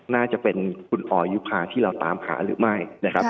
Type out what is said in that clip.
น่าจะเป็นคุณออยุภาที่เราตามหาหรือไม่นะครับ